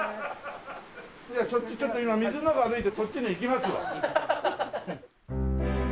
ちょっと今水の中歩いてそっちに行きますわ。